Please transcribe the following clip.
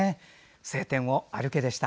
「青天を歩け！」でした。